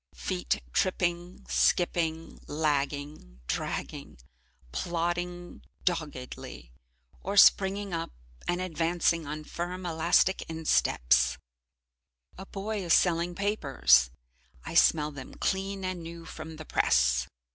Feet tripping, skipping, lagging, dragging, plodding doggedly, or springing up and advancing on firm elastic insteps. A boy is selling papers, I smell them clean and new from the press.